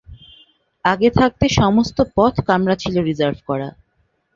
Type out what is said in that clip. আগে থাকতে সমস্ত পথ কামরা ছিল রিজার্ভ-করা।